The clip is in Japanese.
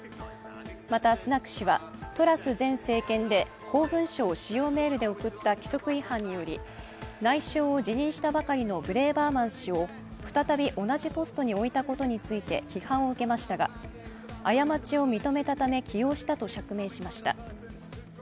また、スナク氏はトラス前政権で公文書を私用メールで送った規則違反により、内相を辞任したばかりのブレーバーマン氏を再び同じポストに置いたことについて批判を受けましたが、過ちを認めたため、起用したと釈明しました。